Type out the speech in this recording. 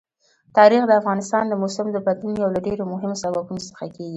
تاریخ د افغانستان د موسم د بدلون یو له ډېرو مهمو سببونو څخه کېږي.